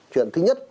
chuyện thứ nhất